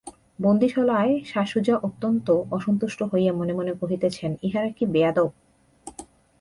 বন্দীশালায় শাসুজা অত্যন্ত অসন্তুষ্ট হইয়া মনে মনে কহিতেছেন, ইহারা কী বেআদব!